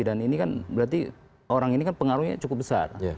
dan ini kan berarti orang ini kan pengaruhnya cukup besar